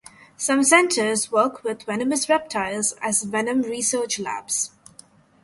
Some centres work with venomous reptiles as venom research labs.